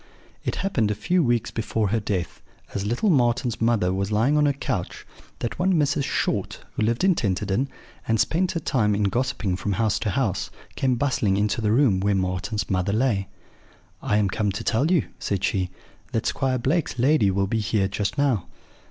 "It happened a few weeks before her death, as little Marten's mother was lying on her couch, that one Mrs. Short, who lived in Tenterden, and spent her time in gossiping from house to house, came bustling into the room where Marten's mother lay. "'I am come to tell you,' said she, 'that Squire Blake's lady will be here just now.'